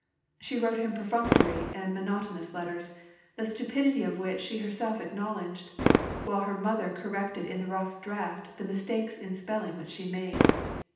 She wrote him perfunctory and monotonous letters, the stupidity of which she herself acknowledged ; while her mother corrected in the rough draught the mistakes in spelling which she made.